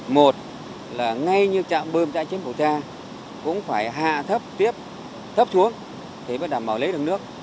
một là ngay như chạm bơm chạy trên bầu trang cũng phải hạ thấp tiếp thấp xuống để đảm bảo lấy được nước